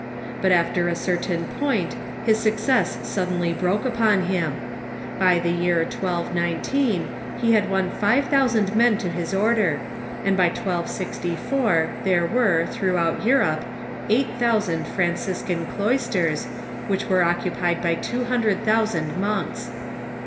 But after a certain point his success suddenly broke upon him. By the year 1219 he had won five thousand men to his order, and by 1264 there were, throughout Euro])e, eight thousand Franciscan cloisters, which were occupied by two THE MONASTIC ORDERS 161 hundred thousand monks.